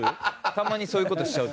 たまにそういう事しちゃう。